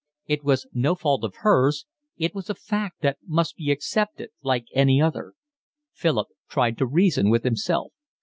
It was no fault of hers; it was a fact that must be accepted like any other. Philip tried to reason with himself.